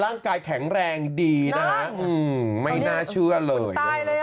ร่างกายแข็งแรงดีนะฮะไม่น่าเชื่อเลย